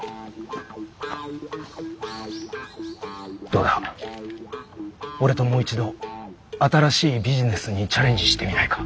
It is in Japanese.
どうだ俺ともう一度新しいビジネスにチャレンジしてみないか？